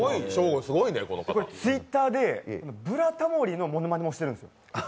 Ｔｗｉｔｔｅｒで「ブラタモリ」のものまねもしてるんです。